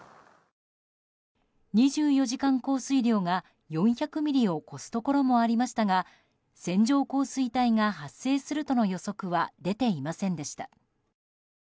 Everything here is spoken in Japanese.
２４時間降水量が４００ミリを超すところもありましたが線状降水帯が発生するとの予測は出ていませんでした。